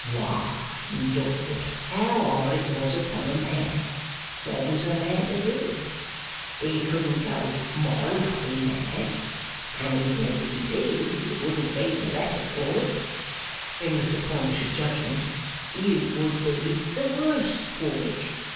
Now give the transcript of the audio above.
Why, Lord, how hard it was upon a man! What was a man to do? He couldn't go mollancholy mad, and even if he did, you wouldn't be the better for it. In Mr Plornish's judgment you would be the worse for it.